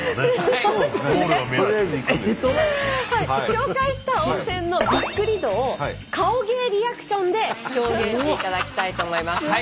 紹介した温泉のびっくり度を顔芸リアクションで表現していただきたいと思います。